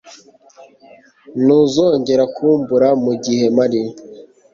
Ntuzongere kumbura mu gihe mpari.